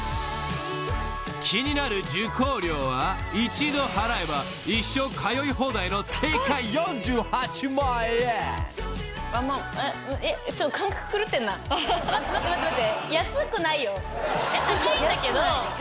［気になる受講料は一度払えば一生通い放題の定価４８万円］待って待って待って待って。